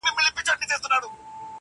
ما خپل گڼي اوس يې لا خـپـل نه يـمه,